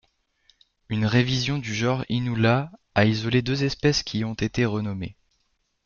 Une révision du genre Inula a isolé deux espèces qui ont été renommées.